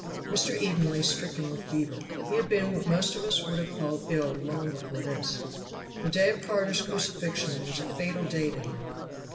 Mr. Eden lay stricken with fever. He had been what most of us would have called ill long before this. The day of Carter's crucifixion was a fatal day to him.